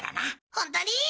ホントに？